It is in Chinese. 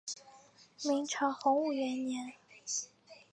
明朝洪武元年。